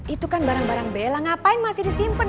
itu kan barang barang bella ngapain masih disimpen